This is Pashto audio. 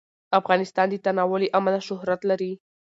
افغانستان د تنوع له امله شهرت لري.